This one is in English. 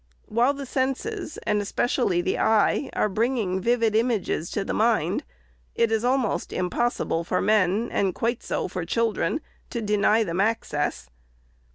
While the senses, and especially the eye, are bringing vivid images to the mind, it is almost impossible for men, and quite so for children, to deny them access.